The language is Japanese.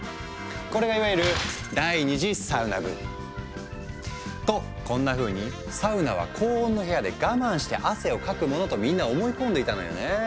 これがいわゆるとこんなふうに「サウナは高温の部屋で我慢して汗をかくもの」とみんな思い込んでいたのよね。